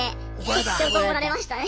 結局怒られましたね。